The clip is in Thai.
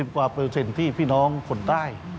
กว่าเปอร์เซ็นต์ที่พี่น้องคนใต้